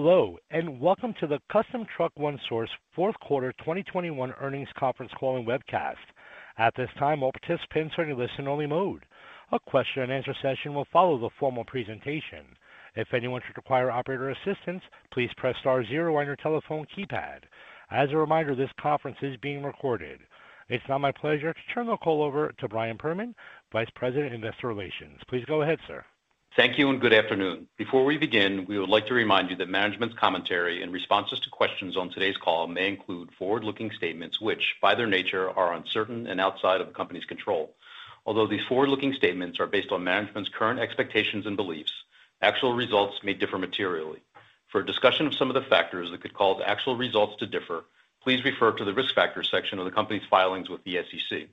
Hello, and welcome to the Custom Truck One Source fourth quarter 2021 earnings conference call and webcast. At this time, all participants are in listen only mode. A question-and-answer session will follow the formal presentation. If anyone should require operator assistance, please press star zero on your telephone keypad. As a reminder, this conference is being recorded. It's now my pleasure to turn the call over to Brian Perman, Vice President, Investor Relations. Please go ahead, sir. Thank you and good afternoon. Before we begin, we would like to remind you that management's commentary and responses to questions on today's call may include forward-looking statements which, by their nature, are uncertain and outside of the company's control. Although these forward-looking statements are based on management's current expectations and beliefs, actual results may differ materially. For a discussion of some of the factors that could cause actual results to differ, please refer to the Risk Factors section of the company's filings with the SEC.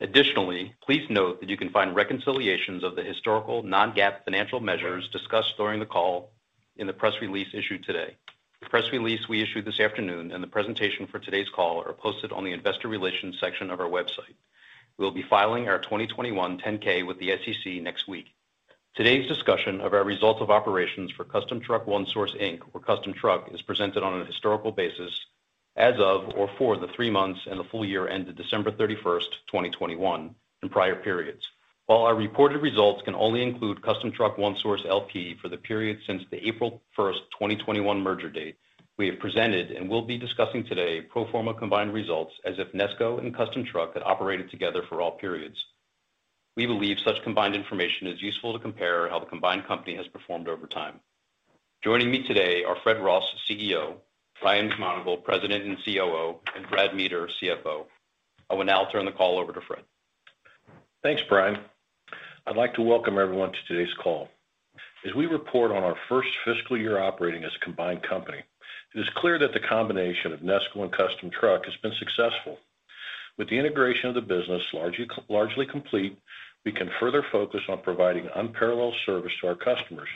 Additionally, please note that you can find reconciliations of the historical non-GAAP financial measures discussed during the call in the press release issued today. The press release we issued this afternoon and the presentation for today's call are posted on the Investor Relations section of our website. We'll be filing our 2021 10-K with the SEC next week. Today's discussion of our results of operations for Custom Truck One Source, Inc., or Custom Truck, is presented on a historical basis as of or for the three months and the full year ended December 31st, 2021 in prior periods. While our reported results can only include Custom Truck One Source, L.P. for the period since the April 1st, 2021 merger date, we have presented and will be discussing today pro forma combined results as if NESCO and Custom Truck had operated together for all periods. We believe such combined information is useful to compare how the combined company has performed over time. Joining me today are Fred Ross, CEO, Ryan McMonagle, President and COO, and Brad Meader, CFO. I will now turn the call over to Fred. Thanks, Brian. I'd like to welcome everyone to today's call. As we report on our first fiscal year operating as a combined company, it is clear that the combination of NESCO and Custom Truck has been successful. With the integration of the business largely complete, we can further focus on providing unparalleled service to our customers,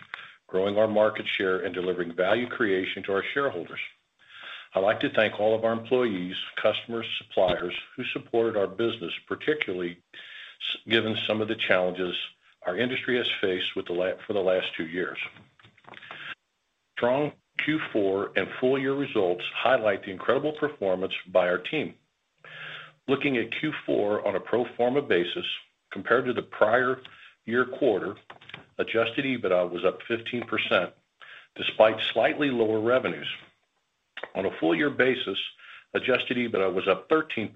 growing our market share, and delivering value creation to our shareholders. I'd like to thank all of our employees, customers, suppliers who supported our business, particularly given some of the challenges our industry has faced for the last two years. Strong Q4 and full-year results highlight the incredible performance by our team. Looking at Q4 on a pro forma basis compared to the prior year quarter, Adjusted EBITDA was up 15% despite slightly lower revenues. On a full year basis, Adjusted EBITDA was up 13%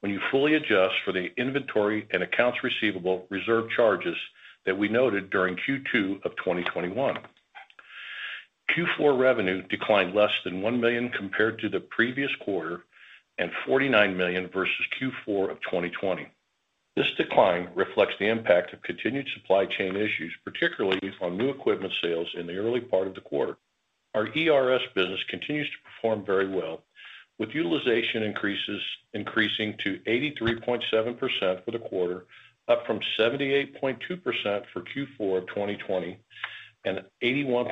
when you fully adjust for the inventory and accounts receivable reserve charges that we noted during Q2 of 2021. Q4 revenue declined less than $1 million compared to the previous quarter and $49 million versus Q4 of 2020. This decline reflects the impact of continued supply chain issues, particularly on new equipment sales in the early part of the quarter. Our ERS business continues to perform very well with utilization increases, increasing to 83.7% for the quarter, up from 78.2% for Q4 of 2020 and 81.4%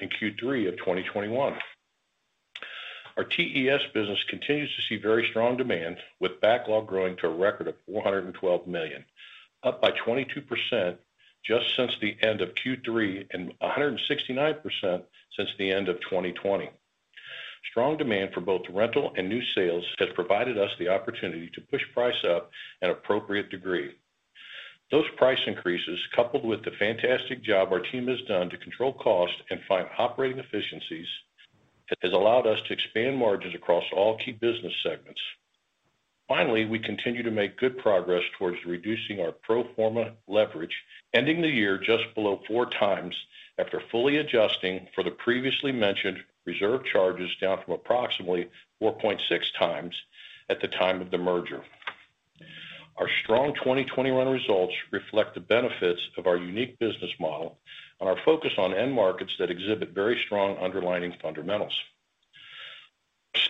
in Q3 of 2021. Our TES business continues to see very strong demand with backlog growing to a record of $412 million, up by 22% just since the end of Q3 and 169% since the end of 2020. Strong demand for both rental and new sales has provided us the opportunity to push price up at an appropriate degree. Those price increases, coupled with the fantastic job our team has done to control cost and find operating efficiencies, has allowed us to expand margins across all key business segments. Finally, we continue to make good progress towards reducing our pro forma leverage, ending the year just below 4x after fully adjusting for the previously mentioned reserve charges, down from approximately 4.6x at the time of the merger. Our strong 2021 results reflect the benefits of our unique business model and our focus on end markets that exhibit very strong underlying fundamentals.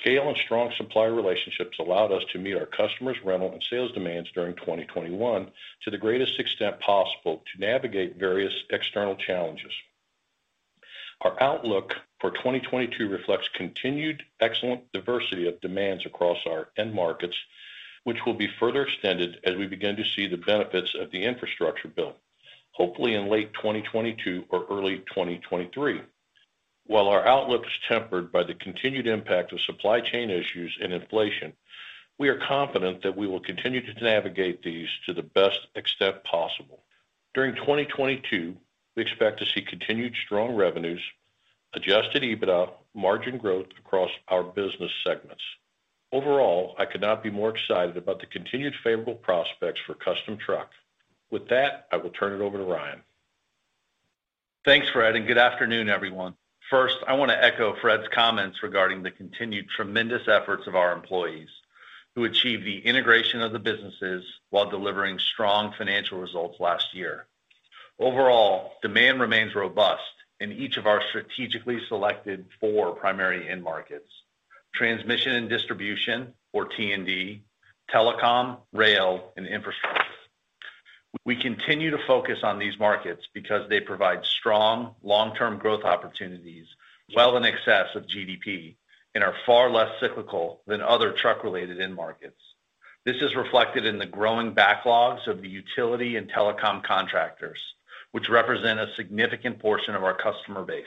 Scale and strong supplier relationships allowed us to meet our customers' rental and sales demands during 2021 to the greatest extent possible to navigate various external challenges. Our outlook for 2022 reflects continued excellent diversity of demands across our end markets, which will be further extended as we begin to see the benefits of the infrastructure bill, hopefully in late 2022 or early 2023. While our outlook is tempered by the continued impact of supply chain issues and inflation, we are confident that we will continue to navigate these to the best extent possible. During 2022, we expect to see continued strong revenues, Adjusted EBITDA margin growth across our business segments. Overall, I could not be more excited about the continued favorable prospects for Custom Truck. With that, I will turn it over to Ryan. Thanks, Fred, and good afternoon, everyone. First, I want to echo Fred's comments regarding the continued tremendous efforts of our employees who achieved the integration of the businesses while delivering strong financial results last year. Overall, demand remains robust in each of our strategically selected four primary end markets, transmission and distribution, or T&D, telecom, rail, and infrastructure. We continue to focus on these markets because they provide strong long-term growth opportunities well in excess of GDP and are far less cyclical than other truck-related end markets. This is reflected in the growing backlogs of the utility and telecom contractors, which represent a significant portion of our customer base.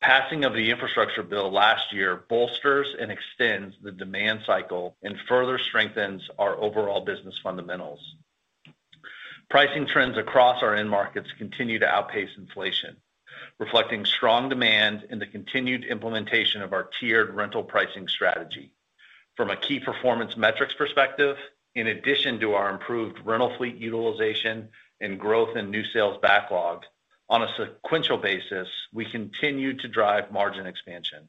The passing of the infrastructure bill last year bolsters and extends the demand cycle and further strengthens our overall business fundamentals. Pricing trends across our end markets continue to outpace inflation, reflecting strong demand in the continued implementation of our tiered rental pricing strategy. From a key performance metrics perspective, in addition to our improved rental fleet utilization and growth in new sales backlog, on a sequential basis, we continue to drive margin expansion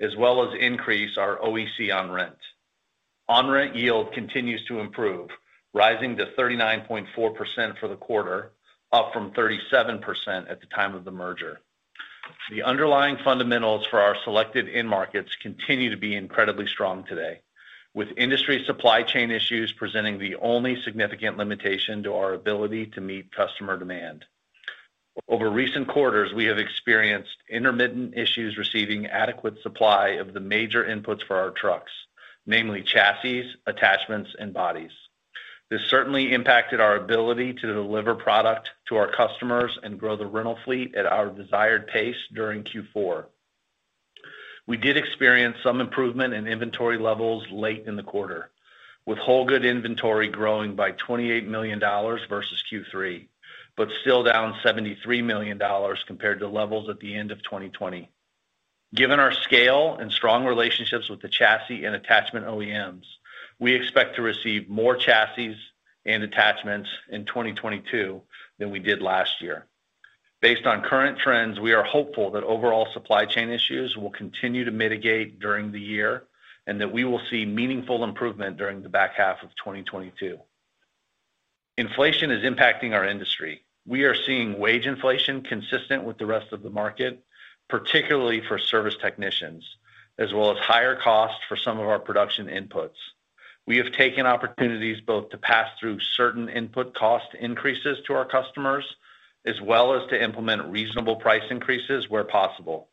as well as increase our OEC on rent. On-rent yield continues to improve, rising to 39.4% for the quarter, up from 37% at the time of the merger. The underlying fundamentals for our selected end markets continue to be incredibly strong today, with industry supply chain issues presenting the only significant limitation to our ability to meet customer demand. Over recent quarters, we have experienced intermittent issues receiving adequate supply of the major inputs for our trucks, namely chassis, attachments, and bodies. This certainly impacted our ability to deliver product to our customers and grow the rental fleet at our desired pace during Q4. We did experience some improvement in inventory levels late in the quarter, with whole goods inventory growing by $28 million versus Q3, but still down $73 million compared to levels at the end of 2020. Given our scale and strong relationships with the chassis and attachment OEMs, we expect to receive more chassis and attachments in 2022 than we did last year. Based on current trends, we are hopeful that overall supply chain issues will continue to mitigate during the year and that we will see meaningful improvement during the back half of 2022. Inflation is impacting our industry. We are seeing wage inflation consistent with the rest of the market, particularly for service technicians, as well as higher costs for some of our production inputs. We have taken opportunities both to pass through certain input cost increases to our customers, as well as to implement reasonable price increases where possible.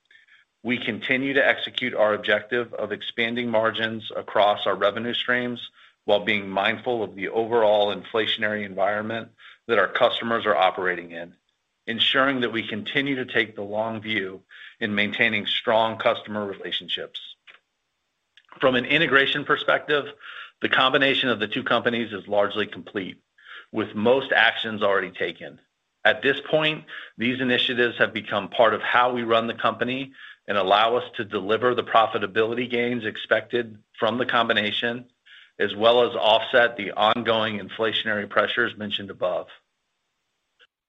We continue to execute our objective of expanding margins across our revenue streams while being mindful of the overall inflationary environment that our customers are operating in, ensuring that we continue to take the long view in maintaining strong customer relationships. From an integration perspective, the combination of the two companies is largely complete, with most actions already taken. At this point, these initiatives have become part of how we run the company and allow us to deliver the profitability gains expected from the combination, as well as offset the ongoing inflationary pressures mentioned above.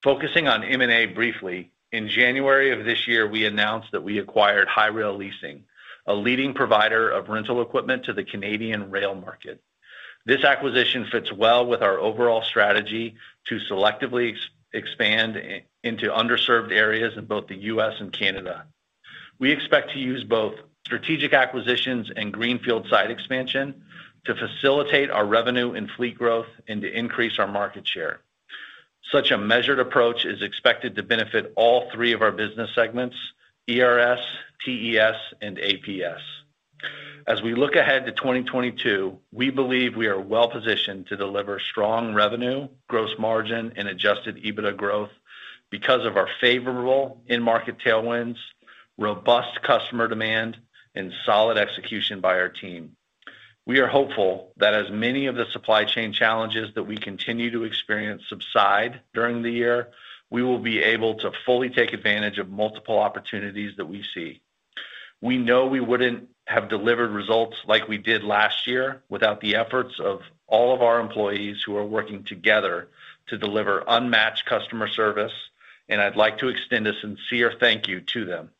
Focusing on M&A briefly, in January of this year, we announced that we acquired HiRail Leasing, a leading provider of rental equipment to the Canadian rail market. This acquisition fits well with our overall strategy to selectively expand into underserved areas in both the U.S. and Canada. We expect to use both strategic acquisitions and greenfield site expansion to facilitate our revenue and fleet growth and to increase our market share. Such a measured approach is expected to benefit all three of our business segments, ERS, TES, and APS. As we look ahead to 2022, we believe we are well-positioned to deliver strong revenue, gross margin, and Adjusted EBITDA growth because of our favorable end market tailwinds, robust customer demand, and solid execution by our team. We are hopeful that as many of the supply chain challenges that we continue to experience subside during the year, we will be able to fully take advantage of multiple opportunities that we see. We know we wouldn't have delivered results like we did last year without the efforts of all of our employees who are working together to deliver unmatched customer service, and I'd like to extend a sincere thank you to them.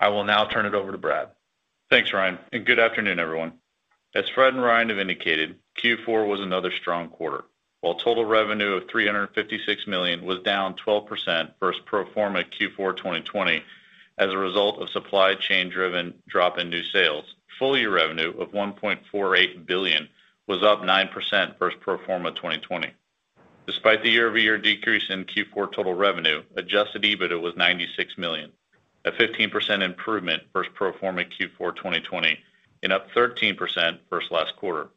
I will now turn it over to Brad. Thanks, Ryan, and good afternoon, everyone. As Fred and Ryan have indicated, Q4 was another strong quarter. While total revenue of $356 million was down 12% versus pro forma Q4 2020 as a result of supply chain-driven drop in new sales, full-year revenue of $1.48 billion was up 9% versus pro forma 2020. Despite the year-over-year decrease in Q4 total revenue, Adjusted EBITDA was $96 million, a 15% improvement versus pro forma Q4 2020 and up 13% versus last quarter.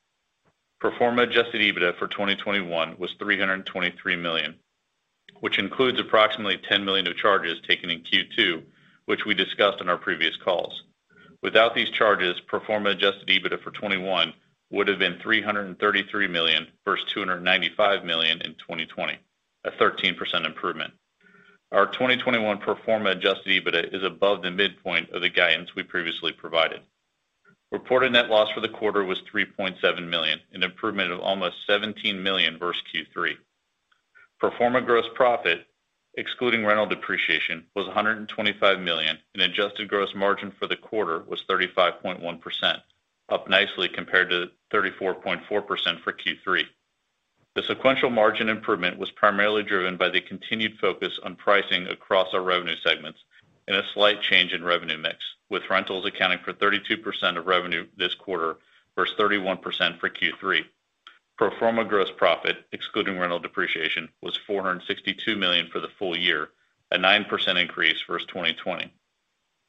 Pro forma Adjusted EBITDA for 2021 was $323 million, which includes approximately $10 million of charges taken in Q2, which we discussed on our previous calls. Without these charges, pro forma adjusted EBITDA for 2021 would have been $333 million versus $295 million in 2020, a 13% improvement. Our 2021 pro forma adjusted EBITDA is above the midpoint of the guidance we previously provided. Reported net loss for the quarter was $3.7 million, an improvement of almost $17 million versus Q3. Pro forma gross profit, excluding rental depreciation, was $125 million, and adjusted gross margin for the quarter was 35.1%, up nicely compared to 34.4% for Q3. The sequential margin improvement was primarily driven by the continued focus on pricing across our revenue segments and a slight change in revenue mix, with rentals accounting for 32% of revenue this quarter versus 31% for Q3. Pro forma gross profit, excluding rental depreciation, was $462 million for the full year, a 9% increase versus 2020.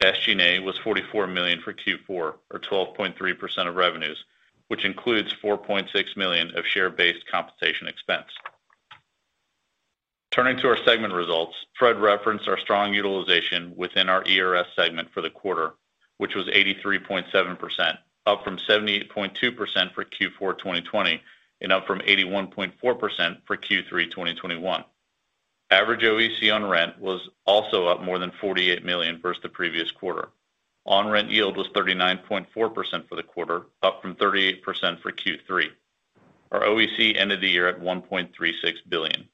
SG&A was $44 million for Q4 or 12.3% of revenues, which includes $4.6 million of share-based compensation expense. Turning to our segment results, Fred referenced our strong utilization within our ERS segment for the quarter, which was 83.7%, up from 78.2% for Q4 2020 and up from 81.4% for Q3 2021. Average OEC on rent was also up more than $48 million versus the previous quarter. OEC on rent yield was 39.4% for the quarter, up from 38% for Q3. Our OEC ended the year at $1.36 billion.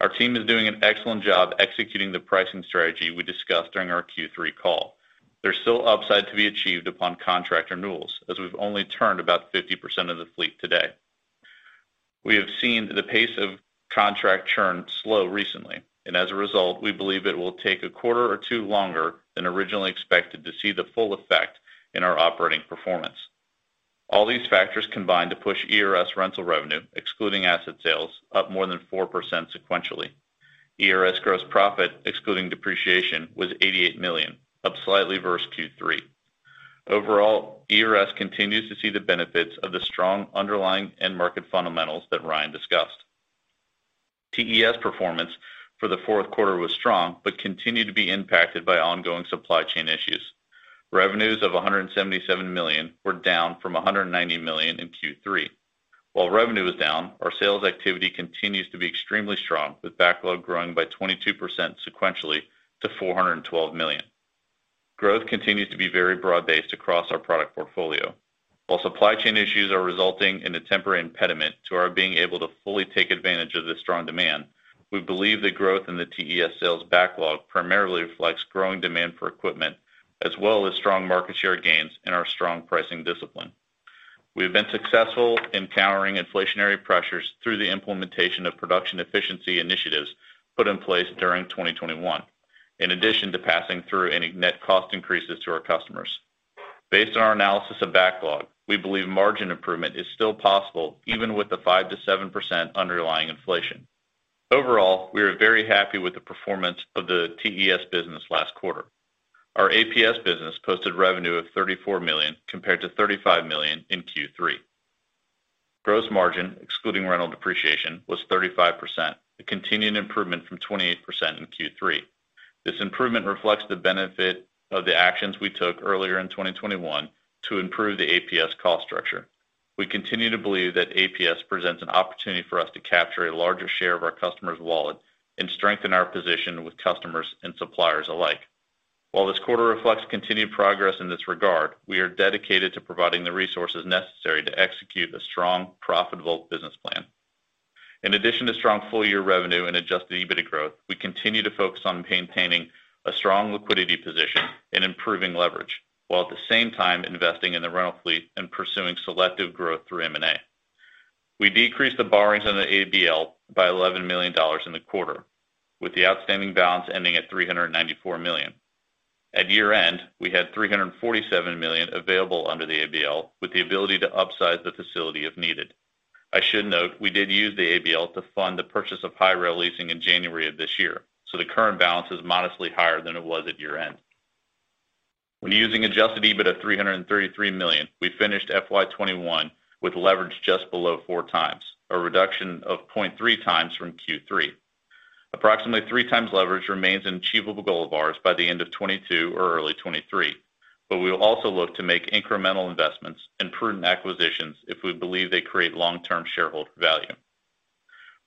Our team is doing an excellent job executing the pricing strategy we discussed during our Q3 call. There's still upside to be achieved upon contract renewals, as we've only turned about 50% of the fleet today. We have seen the pace of contract churn slow recently, and as a result, we believe it will take a quarter or two longer than originally expected to see the full effect in our operating performance. All these factors combined to push ERS rental revenue, excluding asset sales, up more than 4% sequentially. ERS gross profit, excluding depreciation, was $88 million, up slightly versus Q3. Overall, ERS continues to see the benefits of the strong underlying end market fundamentals that Ryan discussed. TES performance for the fourth quarter was strong but continued to be impacted by ongoing supply chain issues. Revenues of $177 million were down from $190 million in Q3. While revenue is down, our sales activity continues to be extremely strong, with backlog growing by 22% sequentially to $412 million. Growth continues to be very broad-based across our product portfolio. While supply chain issues are resulting in a temporary impediment to our being able to fully take advantage of the strong demand, we believe the growth in the TES sales backlog primarily reflects growing demand for equipment, as well as strong market share gains and our strong pricing discipline. We have been successful in countering inflationary pressures through the implementation of production efficiency initiatives put in place during 2021, in addition to passing through any net cost increases to our customers. Based on our analysis of backlog, we believe margin improvement is still possible even with the 5%-7% underlying inflation. Overall, we are very happy with the performance of the TES business last quarter. Our APS business posted revenue of $34 million compared to $35 million in Q3. Gross margin, excluding rental depreciation, was 35%, a continuing improvement from 28% in Q3. This improvement reflects the benefit of the actions we took earlier in 2021 to improve the APS cost structure. We continue to believe that APS presents an opportunity for us to capture a larger share of our customers' wallet and strengthen our position with customers and suppliers alike. While this quarter reflects continued progress in this regard, we are dedicated to providing the resources necessary to execute a strong, profitable business plan. In addition to strong full-year revenue and Adjusted EBITDA growth, we continue to focus on maintaining a strong liquidity position and improving leverage, while at the same time investing in the rental fleet and pursuing selective growth through M&A. We decreased the borrowings on the ABL by $11 million in the quarter, with the outstanding balance ending at $394 million. At year-end, we had $347 million available under the ABL, with the ability to upsize the facility if needed. I should note we did use the ABL to fund the purchase of HiRail Leasing in January of this year, so the current balance is modestly higher than it was at year-end. When using Adjusted EBITDA of $333 million, we finished FY 2021 with leverage just below 4x, a reduction of 0.3x from Q3. Approximately 3x leverage remains an achievable goal of ours by the end of 2022 or early 2023. We will also look to make incremental investments and prudent acquisitions if we believe they create long-term shareholder value.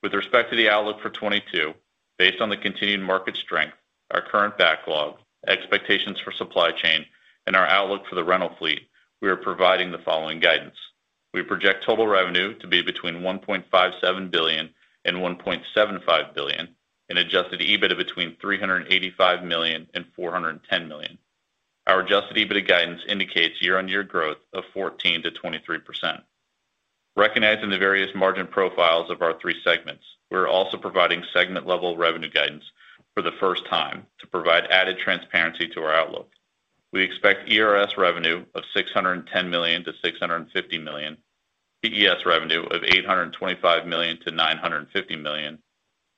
With respect to the outlook for 2022, based on the continued market strength, our current backlog, expectations for supply chain, and our outlook for the rental fleet, we are providing the following guidance. We project total revenue to be between $1.57 billion and $1.75 billion and Adjusted EBITDA between $385 million and $410 million. Our Adjusted EBITDA guidance indicates year-on-year growth of 14%-23%. Recognizing the various margin profiles of our three segments, we're also providing segment-level revenue guidance for the first time to provide added transparency to our outlook. We expect ERS revenue of $610 million-$650 million, TES revenue of $825 million-$950 million,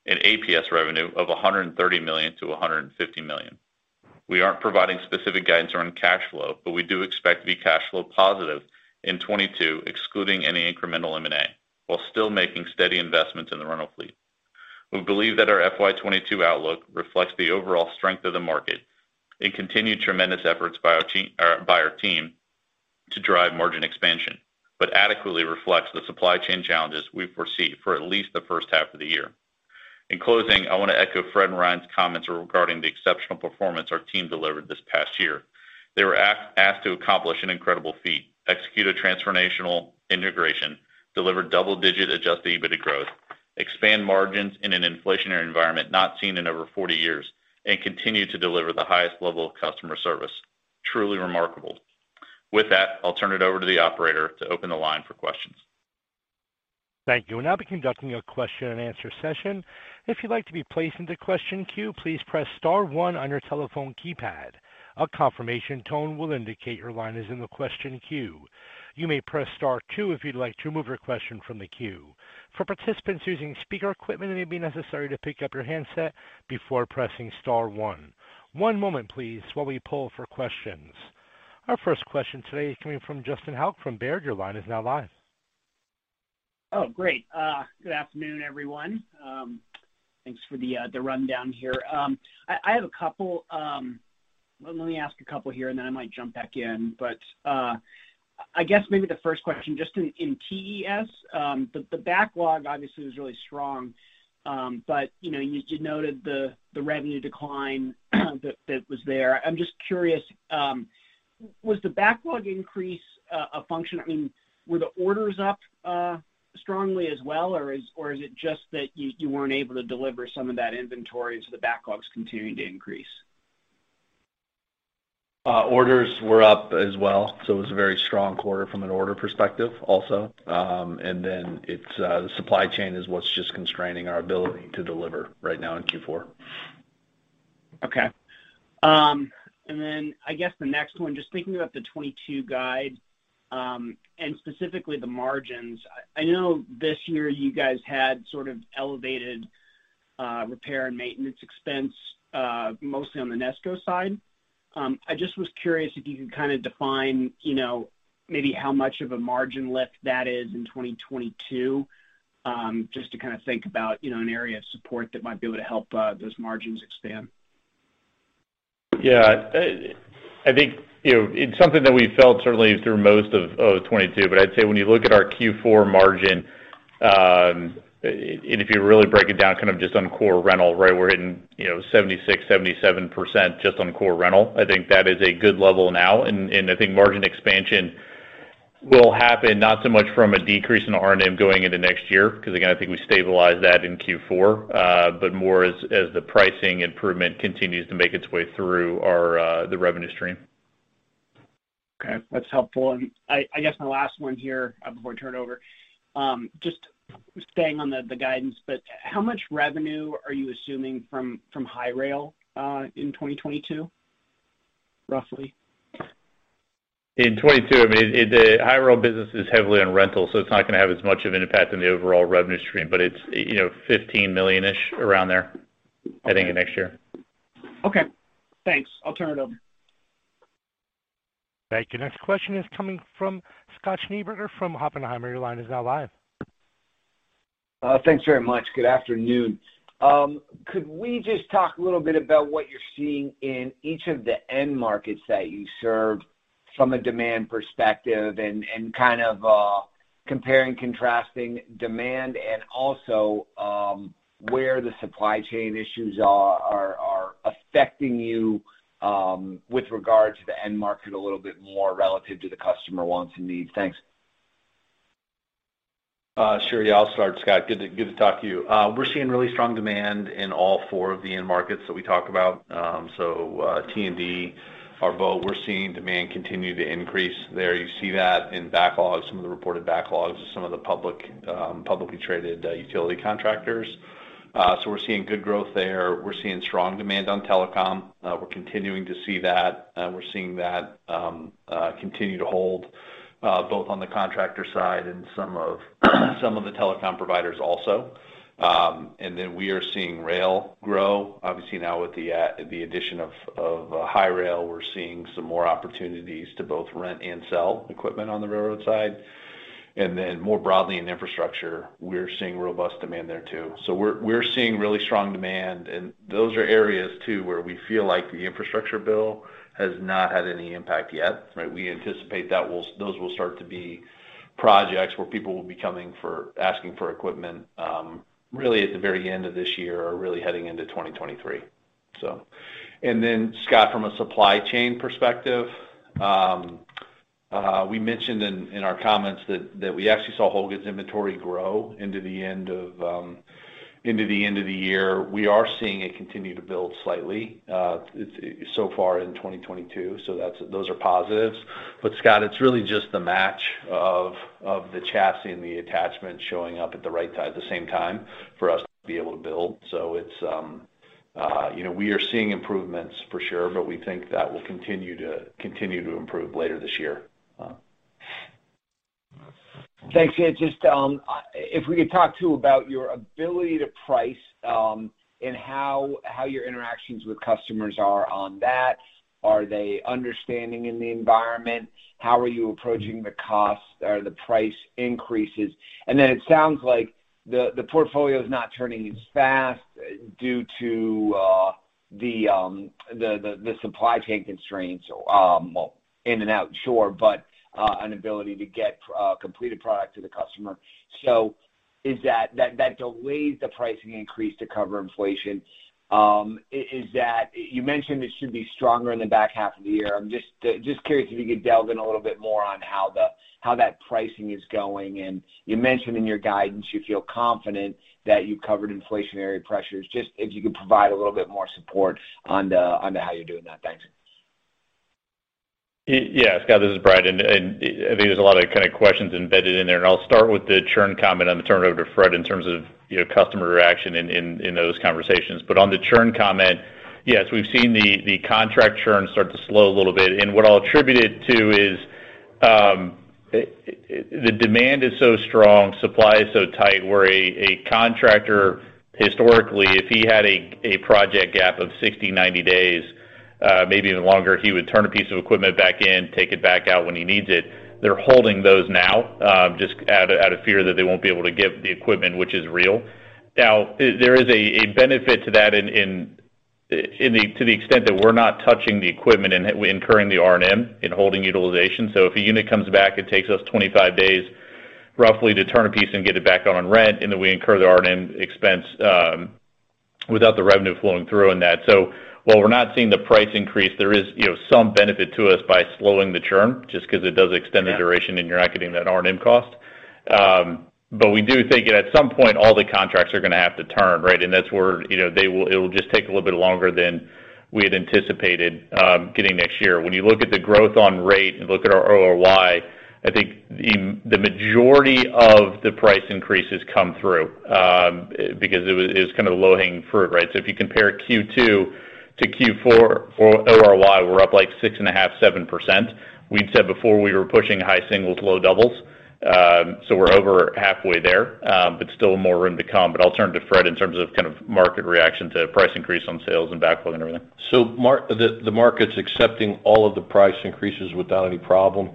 and APS revenue of $130 million-$150 million. We aren't providing specific guidance around cash flow, but we do expect to be cash flow positive in 2022, excluding any incremental M&A, while still making steady investments in the rental fleet. We believe that our FY 2022 outlook reflects the overall strength of the market and continued tremendous efforts by our team to drive margin expansion, but adequately reflects the supply chain challenges we foresee for at least the first half of the year. In closing, I want to echo Fred and Ryan's comments regarding the exceptional performance our team delivered this past year. They were asked to accomplish an incredible feat, execute a transformational integration, deliver double-digit Adjusted EBITDA growth, expand margins in an inflationary environment not seen in over forty years, and continue to deliver the highest level of customer service. Truly remarkable. With that, I'll turn it over to the operator to open the line for questions. Thank you. We'll now be conducting a question and answer session. If you'd like to be placed into question queue, please press star one on your telephone keypad. A confirmation tone will indicate your line is in the question queue. You may press star two if you'd like to remove your question from the queue. For participants using speaker equipment, it may be necessary to pick up your handset before pressing star one. One moment please while we pull for questions. Our first question today is coming from Justin Hauke from Baird. Your line is now live. Oh, great. Good afternoon, everyone. Thanks for the rundown here. I have a couple. Let me ask a couple here, and then I might jump back in. I guess maybe the first question, just in TES, the backlog obviously was really strong. You know, you noted the revenue decline that was there. I'm just curious, was the backlog increase a function, I mean, were the orders up strongly as well, or is it just that you weren't able to deliver some of that inventory, so the backlog's continuing to increase? Orders were up as well, so it was a very strong quarter from an order perspective also. It's the supply chain that's just constraining our ability to deliver right now in Q4. Okay. I guess the next one, just thinking about the 2022 guide, and specifically the margins. I know this year you guys had sort of elevated repair and maintenance expense, mostly on the NESCO side. I just was curious if you could kinda define, you know, maybe how much of a margin lift that is in 2022, just to kinda think about, you know, an area of support that might be able to help those margins expand. Yeah. I think, you know, it's something that we felt certainly through most of 2022, but I'd say when you look at our Q4 margin, and if you really break it down kind of just on core rental, right, we're hitting, you know, 76%-77% just on core rental. I think that is a good level now. I think margin expansion will happen not so much from a decrease in R&M going into next year, 'cause again, I think we stabilized that in Q4, but more as the pricing improvement continues to make its way through our revenue stream. Okay. That's helpful. I guess my last one here before I turn it over just staying on the guidance but how much revenue are you assuming from HiRail in 2022 roughly? In 2022, I mean, the HiRail business is heavily on rental, so it's not gonna have as much of an impact on the overall revenue stream. It's, you know, $15 million-ish, around there. Okay Heading into next year. Okay. Thanks. I'll turn it over. Thank you. Next question is coming from Scott Schneeberger from Oppenheimer. Your line is now live. Thanks very much. Good afternoon. Could we just talk a little bit about what you're seeing in each of the end markets that you serve from a demand perspective and kind of comparing, contrasting demand and also where the supply chain issues are affecting you with regard to the end market a little bit more relative to the customer wants and needs? Thanks. Sure. Yeah, I'll start, Scott. Good to talk to you. We're seeing really strong demand in all four of the end markets that we talk about. T&D, EVO, we're seeing demand continue to increase there. You see that in backlogs, some of the reported backlogs of some of the publicly traded utility contractors. We're seeing good growth there. We're seeing strong demand on telecom. We're continuing to see that. We're seeing that continue to hold both on the contractor side and some of the telecom providers also. We are seeing rail grow. Obviously, now with the addition of HiRail, we're seeing some more opportunities to both rent and sell equipment on the railroad side. More broadly in infrastructure, we're seeing robust demand there too. We're seeing really strong demand, and those are areas too where we feel like the infrastructure bill has not had any impact yet, right? We anticipate those will start to be projects where people will be asking for equipment, really at the very end of this year or really heading into 2023. Scott, from a supply chain perspective, we mentioned in our comments that we actually saw our inventory grow into the end of the year. We are seeing it continue to build slightly so far in 2022, those are positives. Scott, it's really just the match of the chassis and the attachment showing up at the right, the same time for us to be able to build. It's you know, we are seeing improvements for sure, but we think that will continue to improve later this year. Thanks. Yeah, just if we could talk to about your ability to price, and how your interactions with customers are on that. Are they understanding in the environment? How are you approaching the cost or the price increases? Then it sounds like the portfolio's not turning as fast due to the supply chain constraints, well, in and out, sure, but the inability to get a completed product to the customer. Is that. That delays the pricing increase to cover inflation. Is that. You mentioned it should be stronger in the back half of the year. I'm just curious if you could delve in a little bit more on how that pricing is going. You mentioned in your guidance you feel confident that you've covered inflationary pressures. Just if you could provide a little bit more support on the how you're doing that. Thanks. Yes. Scott, this is Brad, and I think there's a lot of kinda questions embedded in there. I'll start with the churn comment, and then turn it over to Fred in terms of, you know, customer reaction in those conversations. On the churn comment, yes, we've seen the contract churn start to slow a little bit. What I'll attribute it to The demand is so strong, supply is so tight, where a contractor historically, if he had a project gap of 60-90 days, maybe even longer, he would turn a piece of equipment back in, take it back out when he needs it. They're holding those now, just out of fear that they won't be able to get the equipment which is real. Now, there is a benefit to that to the extent that we're not touching the equipment and we're incurring the R&M in holding utilization. So if a unit comes back, it takes us 25 days roughly to turn a piece and get it back on rent, and then we incur the R&M expense, without the revenue flowing through on that. While we're not seeing the price increase, there is, you know, some benefit to us by slowing the churn, just 'cause it does extend the duration and you're not getting that R&M cost. We do think at some point, all the contracts are gonna have to turn, right? That's where, you know, it will just take a little bit longer than we had anticipated getting next year. When you look at the growth on rate and look at our ORY, I think the majority of the price increases come through because it was kind of low-hanging fruit, right? If you compare Q2 to Q4 for ORY, we're up, like, 6.5%-7%. We'd said before we were pushing high singles, low doubles, so we're over halfway there, but still more room to come. I'll turn to Fred in terms of kind of market reaction to price increase on sales and backlog and everything. The market's accepting all of the price increases without any problem.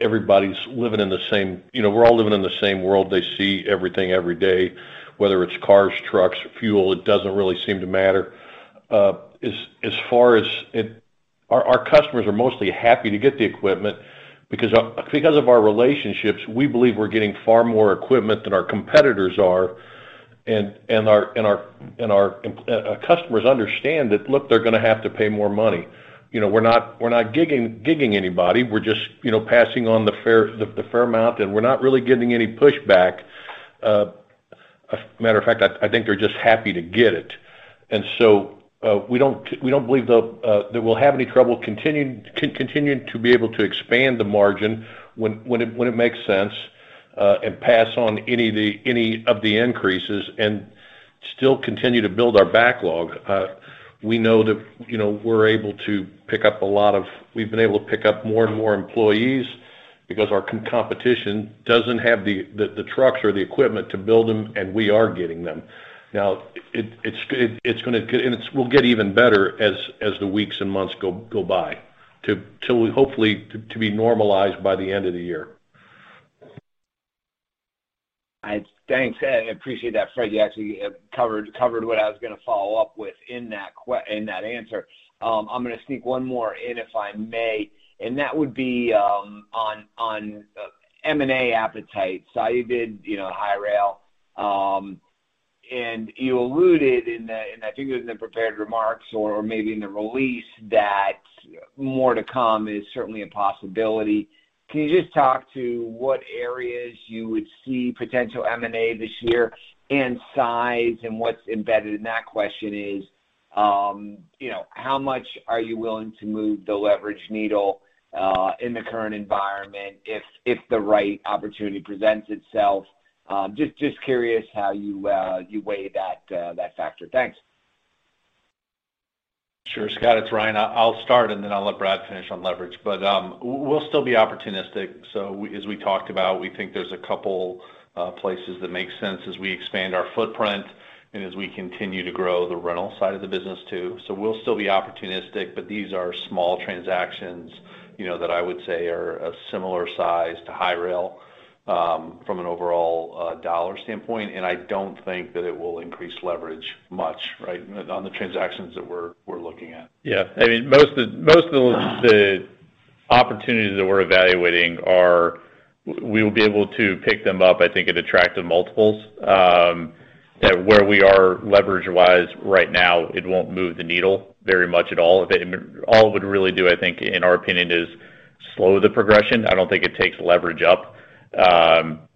Everybody's living in the same world. You know, we're all living in the same world. They see everything every day, whether it's cars, trucks, fuel, it doesn't really seem to matter. Our customers are mostly happy to get the equipment because of our relationships, we believe we're getting far more equipment than our competitors are. Our customers understand that, look, they're gonna have to pay more money. You know, we're not gigging anybody. We're just, you know, passing on the fair amount, and we're not really getting any pushback. As a matter of fact, I think they're just happy to get it. We don't believe that we'll have any trouble continuing to be able to expand the margin when it makes sense, and pass on any of the increases and still continue to build our backlog. We know that, you know, we've been able to pick up more and more employees because our competition doesn't have the trucks or the equipment to build them, and we are getting them. Now, it's gonna get and it's we'll get even better as the weeks and months go by till we hopefully to be normalized by the end of the year. Thanks. I appreciate that, Fred. You actually covered what I was gonna follow up with in that answer. I'm gonna sneak one more in, if I may, and that would be on M&A appetite. You did, you know, HiRail. You alluded in the, and I think it was in the prepared remarks or maybe in the release that more to come is certainly a possibility. Can you just talk to what areas you would see potential M&A this year and size? What's embedded in that question is, you know, how much are you willing to move the leverage needle in the current environment if the right opportunity presents itself? Just curious how you weigh that factor. Thanks. Sure, Scott, it's Ryan. I'll start, and then I'll let Brad finish on leverage. We'll still be opportunistic. As we talked about, we think there's a couple places that make sense as we expand our footprint and as we continue to grow the rental side of the business too. We'll still be opportunistic, but these are small transactions, you know, that I would say are a similar size to HiRail, from an overall dollar standpoint. I don't think that it will increase leverage much, right? On the transactions that we're looking at. Yeah. I mean, most of the opportunities that we're evaluating, we will be able to pick them up, I think, at attractive multiples. That, where we are leverage-wise right now, it won't move the needle very much at all. All it would really do, I think, in our opinion, is slow the progression. I don't think it takes leverage up,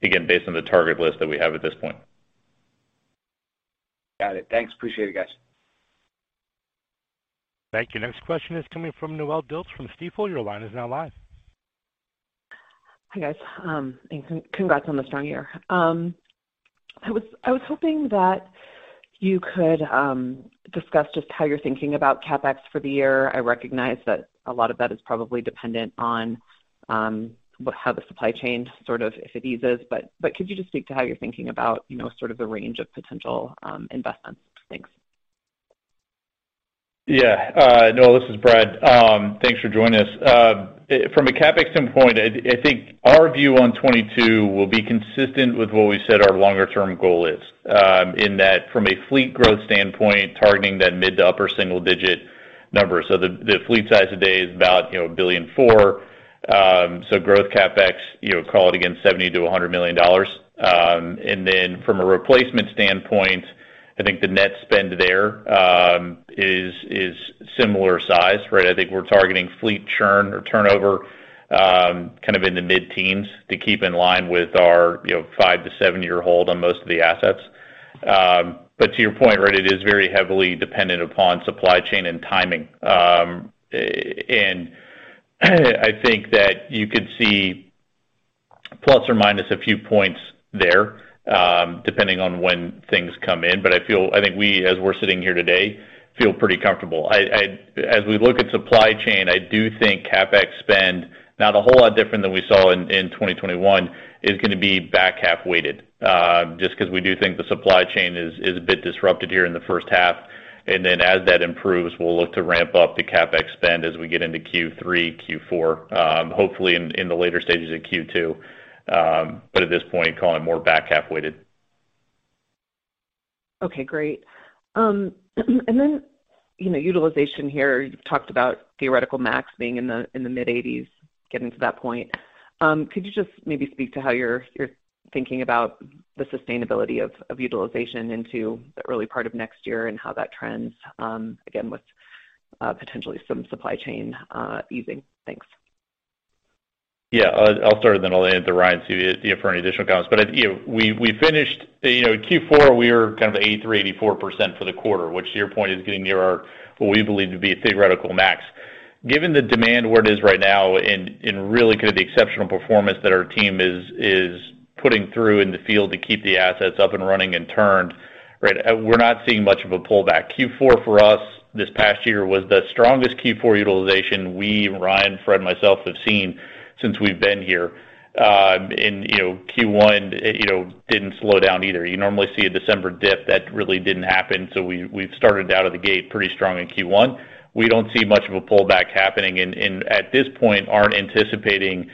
again, based on the target list that we have at this point. Got it. Thanks. Appreciate it, guys. Thank you. Next question is coming from Noelle Dilts from Stifel. Your line is now live. Hi, guys. Congrats on the strong year. I was hoping that you could discuss just how you're thinking about CapEx for the year. I recognize that a lot of that is probably dependent on how the supply chain sort of if it eases, but could you just speak to how you're thinking about, you know, sort of the range of potential investments? Thanks. Yeah. Noelle, this is Brad. Thanks for joining us. From a CapEx standpoint, I think our view on 2022 will be consistent with what we said our longer term goal is, in that from a fleet growth standpoint, targeting that mid- to upper-single-digit number. The fleet size today is about, you know, $1.04 billion. Growth CapEx, you know, call it, again, $70 million-$100 million. From a replacement standpoint, I think the net spend there is similar size, right? I think we're targeting fleet churn or turnover kind of in the mid-teens to keep in line with our, you know, five to seven-year hold on most of the assets. To your point, right, it is very heavily dependent upon supply chain and timing. I think that you could see plus or minus a few points there, depending on when things come in. I feel, I think we, as we're sitting here today, feel pretty comfortable. As we look at supply chain, I do think CapEx spend, not a whole lot different than we saw in 2021 is gonna be back half weighted. Just 'cause we do think the supply chain is a bit disrupted here in the first half. As that improves, we'll look to ramp up the CapEx spend as we get into Q3, Q4, hopefully in the later stages of Q2. At this point, call it more back half weighted. Okay, great. You know, utilization here, you've talked about theoretical max being in the mid-80s, getting to that point. Could you just maybe speak to how you're thinking about the sustainability of utilization into the early part of next year and how that trends, again with potentially some supply chain easing? Thanks. Yeah. I'll start, and then I'll hand it to Ryan, see if he has any additional comments. You know, we finished, you know, Q4, we were kind of 83%-84% for the quarter, which to your point is getting near our what we believe to be a theoretical max. Given the demand where it is right now and really kind of the exceptional performance that our team is putting through in the field to keep the assets up and running and turned, right? We're not seeing much of a pullback. Q4 for us this past year was the strongest Q4 utilization we, Ryan, Fred, myself, have seen since we've been here. You know, Q1, you know, didn't slow down either. You normally see a December dip that really didn't happen, so we've started out of the gate pretty strong in Q1. We don't see much of a pullback happening and at this point, aren't anticipating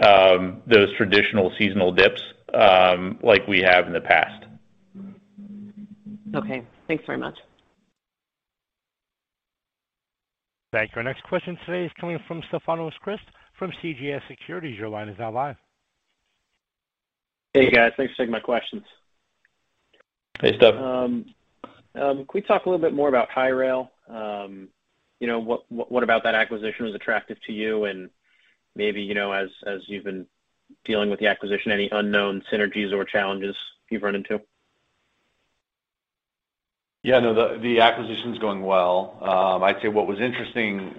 those traditional seasonal dips like we have in the past. Okay. Thanks very much. Thank you. Our next question today is coming from Stefanos Crist from CJS Securities. Your line is now live. Hey, guys. Thanks for taking my questions. Hey, Stef. Can we talk a little bit more about HiRail? You know, what about that acquisition was attractive to you? Maybe, you know, as you've been dealing with the acquisition, any unknown synergies or challenges you've run into? Yeah. No, the acquisition's going well. I'd say what was interesting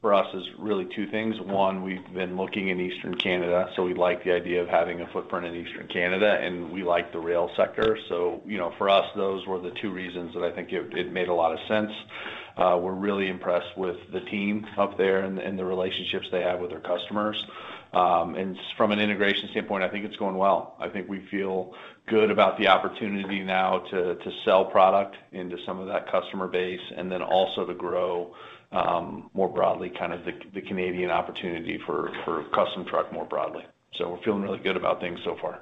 for us is really two things. One, we've been looking in Eastern Canada, so we like the idea of having a footprint in Eastern Canada, and we like the rail sector. You know, for us, those were the two reasons that I think it made a lot of sense. We're really impressed with the team up there and the relationships they have with their customers. From an integration standpoint, I think it's going well. I think we feel good about the opportunity now to sell product into some of that customer base and then also to grow more broadly, kind of the Canadian opportunity for Custom Truck more broadly. We're feeling really good about things so far.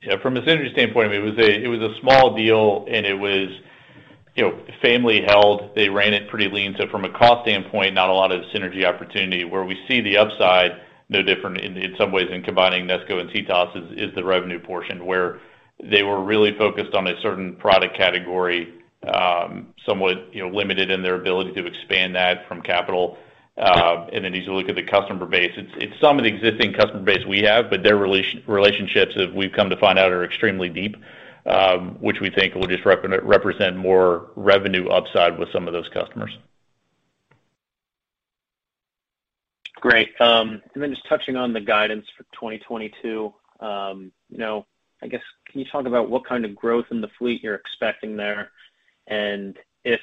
Yeah, from a synergy standpoint, it was a small deal, you know, family held. They ran it pretty lean. From a cost standpoint, not a lot of synergy opportunity. Where we see the upside, no different in some ways in combining NESCO and CTOS is the revenue portion where they were really focused on a certain product category, somewhat, you know, limited in their ability to expand that from capital, and then need to look at the customer base. It's some of the existing customer base we have, but their relationships that we've come to find out are extremely deep, which we think will just represent more revenue upside with some of those customers. Great. Just touching on the guidance for 2022, you know, I guess, can you talk about what kind of growth in the fleet you're expecting there? If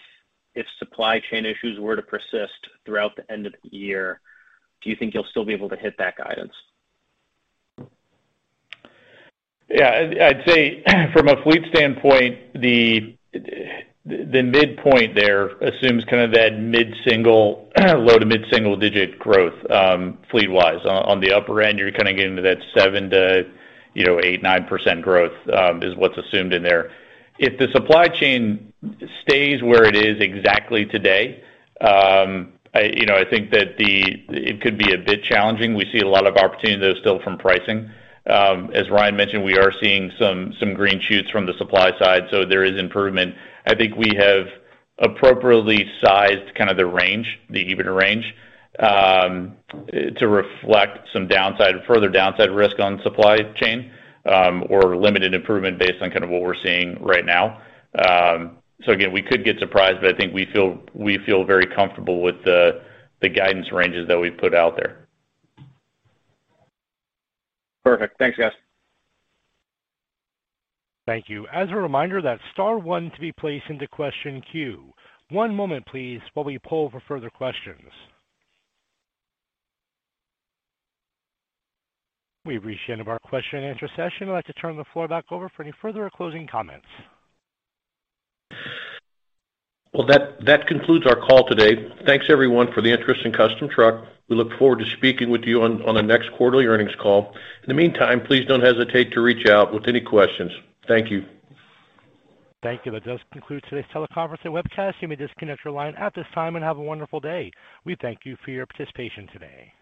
supply chain issues were to persist throughout the end of the year, do you think you'll still be able to hit that guidance? Yeah. I'd say from a fleet standpoint, the midpoint there assumes kind of that low- to mid-single-digit growth, fleet-wise. On the upper end, you're kind of getting to that 7%-9% growth, is what's assumed in there. If the supply chain stays where it is exactly today, I think that it could be a bit challenging. We see a lot of opportunities still from pricing. As Ryan mentioned, we are seeing some green shoots from the supply side, so there is improvement. I think we have appropriately sized kind of the range, the EBITDA range, to reflect some downside, further downside risk on supply chain, or limited improvement based on kind of what we're seeing right now. Again, we could get surprised, but I think we feel very comfortable with the guidance ranges that we've put out there. Perfect. Thanks, guys. Thank you. As a reminder, that's star one to be placed into question queue. One moment, please, while we poll for further questions. We've reached the end of our question and answer session. I'd like to turn the floor back over for any further closing comments. Well, that concludes our call today. Thanks everyone for the interest in Custom Truck. We look forward to speaking with you on the next quarterly earnings call. In the meantime, please don't hesitate to reach out with any questions. Thank you. Thank you. That does conclude today's teleconference and webcast. You may disconnect your line at this time and have a wonderful day. We thank you for your participation today.